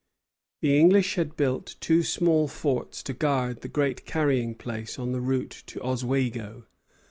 The English had built two small forts to guard the Great Carrying Place on the route to Oswego.